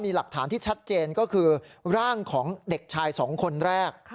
มีหลักฐานที่ชัดเจนก็คือร่างของเด็กชาย๒คนแรก